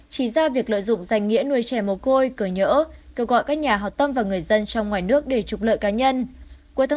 chỉ ra việc lợi dụng danh nghĩa nuôi trẻ mồ côi cờ nhỡ kêu gọi các nhà hào tâm và người dân trong ngoài nước để trục lợi cá nhân